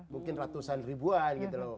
mungkin ratusan ribuan gitu loh